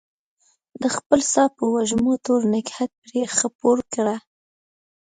د خپل ساه په وږمو تور نګهت پرې خپور کړه